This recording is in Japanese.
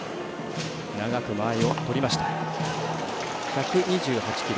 １２８キロ。